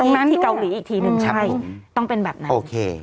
น้ำที่เกาหลีอีกทีนึงใช่ต้องเป็นแบบนั้นโอเค